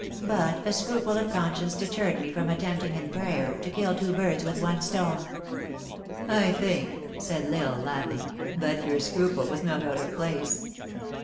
But a scruple of conscience deterred me from attempting, in prayer, to kill two birds with one stone." " I think," said L Isle, laughing, " that your scruple was not out of place."